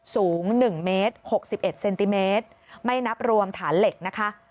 สูง๑เมตร๖๑เซนติเมตรไม่นับรวมฐานเหล็กนะคะ